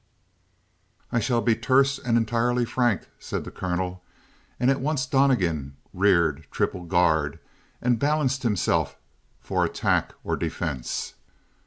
"I shall be terse and entirely frank," said the colonel, and at once Donnegan reared triple guard and balanced himself for attack or defense.